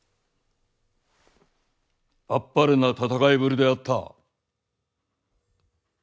あっぱれな戦いぶりであった！